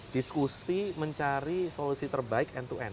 diskusi mencari solusi terbaik end to end